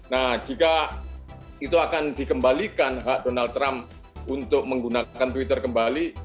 nah jika itu akan dikembalikan hak donald trump untuk menggunakan twitter kembali